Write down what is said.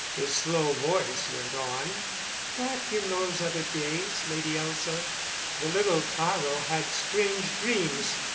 His slow voice went on: "Back in those other days, Lady Elza, the little Taro had strange dreams.